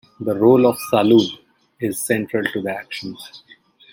The role of Salud is central to the action.